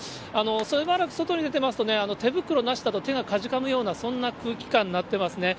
しばらく外に出ていますと、手袋なしでは手がかじかむような、そんな空気感になってますね。